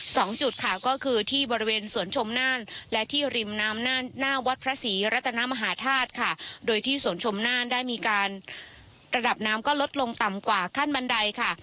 สองจุดค่ะก็คือที่บริเวณสวนชมน่านและที่ริมน้ำหน้าวัดพระศรีรัตนมหาธาตุค่ะโดยที่สวนชมน่านได้มีการระดับน้ำก็ลดลงต่ำกว่าขั้นบันไดค่ะ